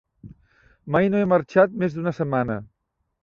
Mai no he marxat més d'una setmana.